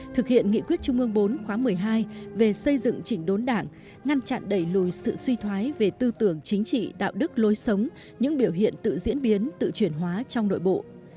thực hiện nghị quyết trung ương bốn khóa một mươi hai về xây dựng chỉnh đốn đảng ngăn chặn đẩy lùi sự suy thoái về tư tưởng chính trị đạo đức lối sống những biểu hiện tự diễn biến tự chuyển hóa trong nội bộ